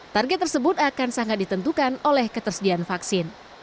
target tersebut akan sangat ditentukan oleh ketersediaan vaksin